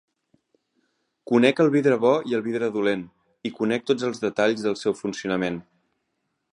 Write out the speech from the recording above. Conec el vidre bo i el vidre dolent, i conec tots els detalls del seu funcionament.